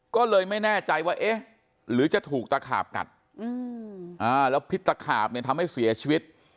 ก็เลยไม่แน่ใจว่าเอ๊ะหรือจะถูกตะขาบกัดแล้วพิษตะขาบเนี่ยทำให้เสียชีวิต